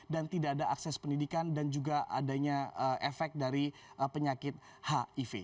dan tidak ada akses pendidikan dan juga adanya efek dari penyakit hiv